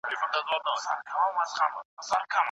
هغه د آدمخورو لپاره خاصې جامې او خولۍ جوړې کړې وې.